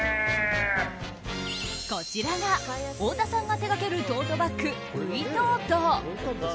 こちらが太田さんが手がけるトートバッグ、ウイトート。